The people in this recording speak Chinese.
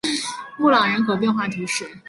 莫朗人口变化图示